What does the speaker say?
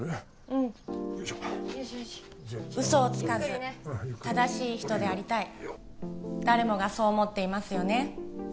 うんよいしょよしよし嘘をつかず正しい人でありたい誰もがそう思っていますよね